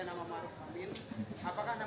atau memang sebelumnya pak jokowi juga bilang